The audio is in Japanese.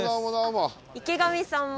池上さんも。